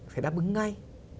phải đáp ứng ngay